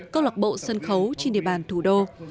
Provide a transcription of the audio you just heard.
cơ lọc bộ sân khấu trên địa bàn thủ đô